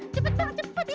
cepet bang cepet